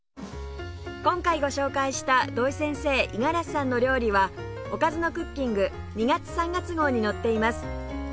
今回ご紹介した土井先生五十嵐さんの料理は『おかずのクッキング』２月３月号に載っています